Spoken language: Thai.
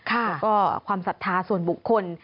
แล้วก็ความศรัทธาส่วนบุคคล